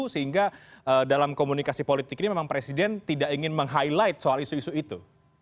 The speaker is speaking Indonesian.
sehingga dalam komunikasi politik ini memang presiden tidak ingin meng highlight soal isu isu itu